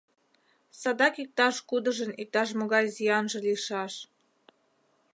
Садак иктаж-кудыжын иктаж-могай зиянже лийшаш.